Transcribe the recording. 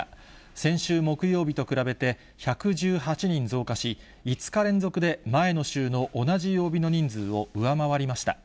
先週木曜日と比べて１１８人増加し、５日連続で前の週の同じ曜日の人数を上回りました。